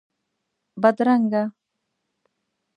بدرنګه